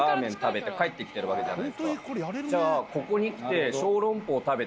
じゃあここに来て。